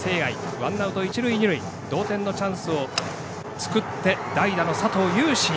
ワンアウト、一塁二塁同点のチャンスを作って代打の佐藤雄心。